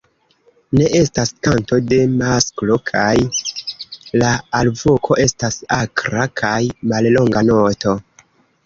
Ne estas kanto de masklo kaj la alvoko estas akra kaj mallonga noto.